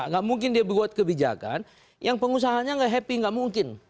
tidak mungkin dia membuat kebijakan yang pengusahanya tidak happy tidak mungkin